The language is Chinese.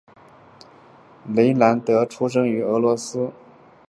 雷兰德出生于俄罗斯帝国芬兰大公国的库尔基约基的儿子。